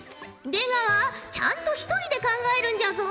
出川ちゃんと一人で考えるんじゃぞ！